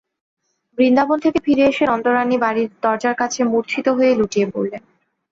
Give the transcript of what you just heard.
বৃন্দাবন থেকে ফিরে এসে নন্দরানী বাড়ির দরজার কাছে মূর্ছিত হয়ে লুটিয়ে পড়লেন।